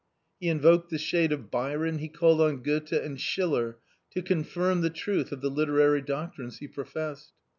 He invoked the shade of Byron, he called on Goethe and Schiller to confirm the truth of the literary doctrines he professed.